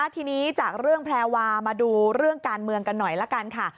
ทีนี้จากเรื่องแพรวามาดูเรื่องการเมืองกันหน่อยละกันค่ะ